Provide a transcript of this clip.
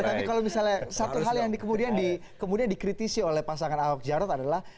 tapi kalau misalnya satu hal yang kemudian dikritisi oleh pasangan ahok jarot adalah